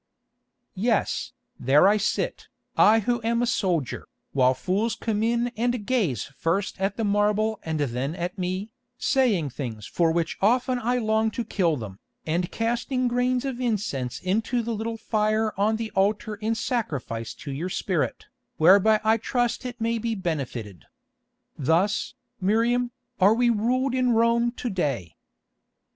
"Yes, there I sit, I who am a soldier, while fools come in and gaze first at the marble and then at me, saying things for which often I long to kill them, and casting grains of incense into the little fire on the altar in sacrifice to your spirit, whereby I trust it may be benefited. Thus, Miriam, are we ruled in Rome to day.